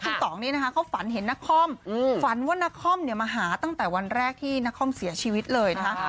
คุณต่องนี้นะคะเขาฝันเห็นนครฝันว่านักคอมเนี่ยมาหาตั้งแต่วันแรกที่นครเสียชีวิตเลยนะคะ